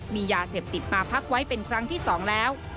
มียาเสพติดมาพักไว้เป็นครั้งที่๒แล้ว